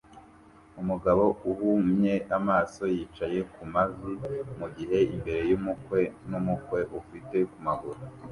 Umugabo uhumye amaso yicaye ku mavi mugihe imbere yumukwe numukwe ufite kumaguru